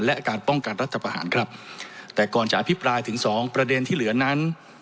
และการป้องกันรัฐประหารครับแต่ก่อนจะอภิปรายถึงสองประเด็นที่เหลือนั้น